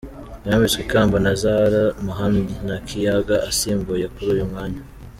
Yambitswe ikamba na Zahara Muhammed Nakiyaga asimbuye kuri uyu mwanya.